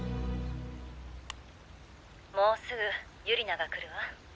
もうすぐゆり菜が来るわ。